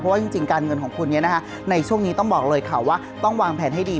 เพราะว่าจริงการเงินของคุณในช่วงนี้ต้องบอกเลยค่ะว่าต้องวางแผนให้ดี